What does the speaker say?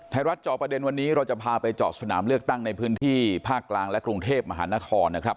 จอประเด็นวันนี้เราจะพาไปเจาะสนามเลือกตั้งในพื้นที่ภาคกลางและกรุงเทพมหานครนะครับ